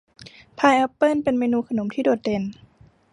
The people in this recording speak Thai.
พายแอปเปิ้ลเป็นเมนูขนมที่โดดเด่น